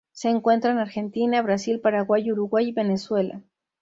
Se encuentra en Argentina, Brasil, Paraguay, Uruguay y Venezuela.